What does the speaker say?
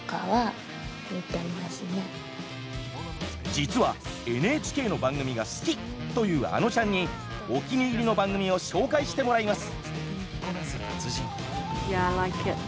「実はＮＨＫの番組が好き」というあのちゃんにお気に入りの番組を紹介してもらいます。